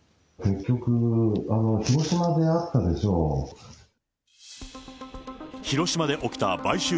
結局、広島であったでしょう。